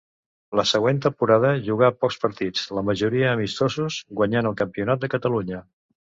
La següent temporada jugà pocs partits, la majoria amistosos, guanyant el Campionat de Catalunya.